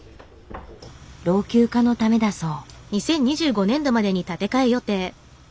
老朽化のためだそう。